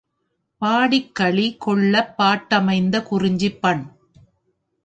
பாடிக்களி கொள்ளப் பாட்டமைந்த குறிஞ்சிப்பண்!